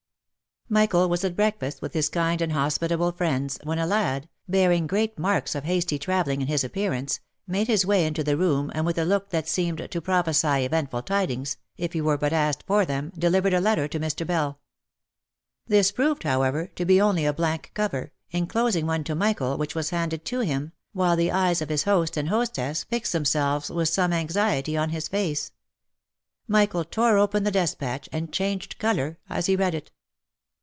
Michael was at breakfast with his kind and hospitable friends, when a lad, bearing great marks of hasty travelling in his appearance, made his way into the room, and with a look that seemed to prophesy eventful tidings, if he were but asked for them, delivered a letter to Mr. Bell. This proved, however, to be only a blank cover, enclosing one to Michael, which was handed to him, while the eyes of his host and hostess fixed themselves with some anxiety on his face. Michael tore open the despatch, and changed colour as he read it.